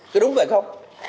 cái đúng vậy không